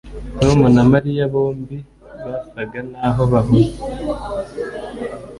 Tom na Mariya bombi basaga naho bahuze